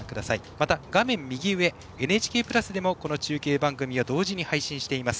また、画面右上「ＮＨＫプラス」でもこの中継番組を同時に配信しています。